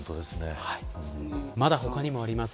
まだ他にもあります